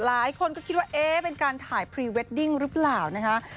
หลายคนก็คิดว่าเอ๊ะเป็นการถ่ายพรีเวดดิ้งหรือเปล่านะคะ